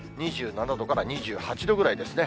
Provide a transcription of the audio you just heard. ２７度から２８度くらいですね。